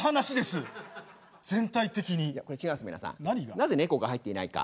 なぜネコが入っていないか。